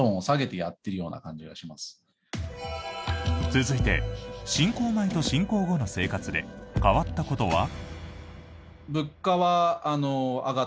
続いて、侵攻前と侵攻後の生活で変わったことは？